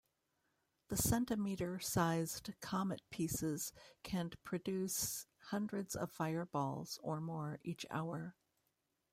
The centimeter-sized comet pieces can produce hundreds of fireballs or more each hour.